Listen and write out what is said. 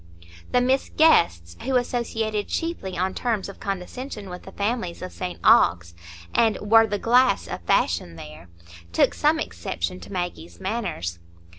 The Miss Guests, who associated chiefly on terms of condescension with the families of St Ogg's, and were the glass of fashion there, took some exception to Maggie's manners.